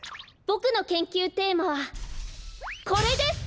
ボクの研究テーマはこれです！